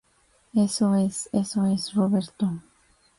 eso es. eso es, Roberto.